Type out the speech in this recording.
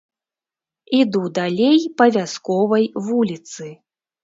Іду далей па вясковай вуліцы.